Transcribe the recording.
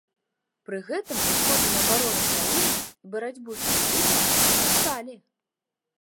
Пры гэтым расходы на абарону краіны і барацьбу з тэрарызмам узрасталі.